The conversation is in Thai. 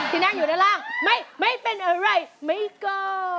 ที่นั่งอยู่ด้านล่างไม่เป็นอะไรไม่โก